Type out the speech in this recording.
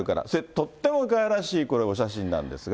とってもかわいらしいお写真なんですが。